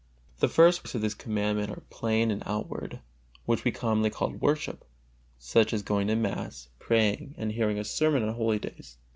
The first works of this Commandment are plain and outward, which we commonly call worship, such as going to mass, praying, and hearing a sermon on holy days.